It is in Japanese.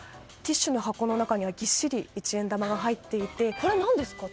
ティッシュの箱の中にはぎっしり一円玉が入っていて。